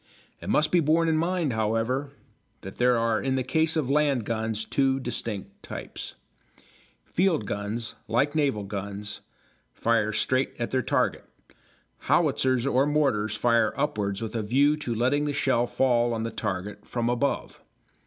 It must be borne in mind, however, that there are in the case of land guns two distinct types. Field guns, like naval guns, fire straight at their target; howitzers or mortars fire upwards with a view to letting the shell fall on the target from above.